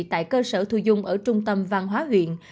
tại cơ sở thu dung ở trung tâm văn hóa huyện